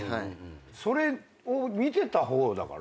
それを見てた方だから。